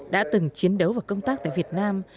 đã từng chiến đấu và công tác tại việt nam